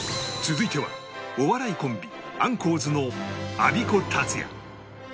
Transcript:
続いてはお笑いコンビアンコウズのアビコタツヤ